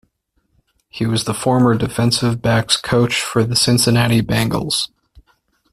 He was the former defensive backs' coach for the Cincinnati Bengals.